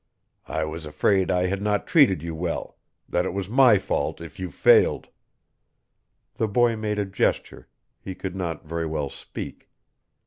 I was afraid I had not treated you well that it was my fault if you failed." The boy made a gesture he could not very well speak.